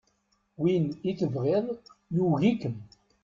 Win i tebɣiḍ yugi-kem.